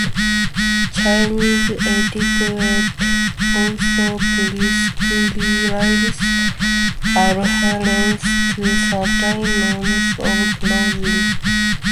Chinese etiquette also prescribes adherence to certain norms of clothing.